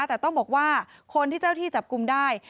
แต่ต้องบอกว่าคนที่เจ้าที่จับกลุ่มได้